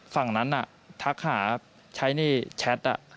ฝั่งนั้นน่ะทักหาใช้ในแชทอ่ะ